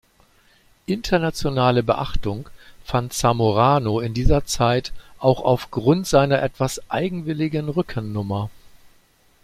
Internationale Beachtung fand Zamorano in dieser Zeit auch aufgrund seiner etwas eigenwilligen Rückennummer.